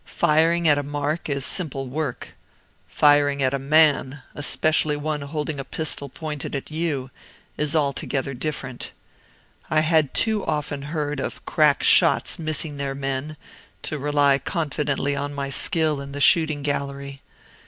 Firing at a mark is simple work. Firing at a man especially one holding a pistol pointed at you is altogether different. I had too often heard of 'crack shots' missing their men, to rely confidently on my skill in the shooting gallery.